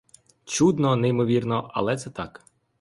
Чудно, неймовірно, але це так.